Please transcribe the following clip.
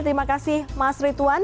terima kasih mas ritwan